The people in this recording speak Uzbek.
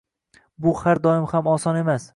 Bu har doim ham oson emas.